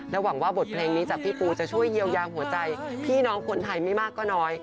หวังว่าบทเพลงนี้จากพี่ปูจะช่วยเยียวยาหัวใจพี่น้องคนไทยไม่มากก็น้อย